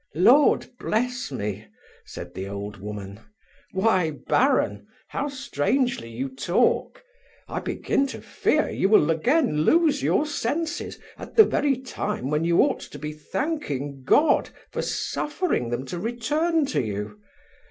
"Lord bless me!" said the old woman: "why, baron, how strangely you talk! I begin to fear you will again lose your senses, at the very time when you ought to be thanking God for suffering them to return to you.